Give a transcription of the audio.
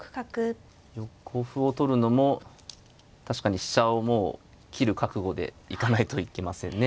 横歩を取るのも確かに飛車をもう切る覚悟でいかないといけませんね。